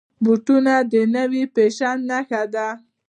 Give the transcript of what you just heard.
بوټونه د نوي فیشن نښه ده.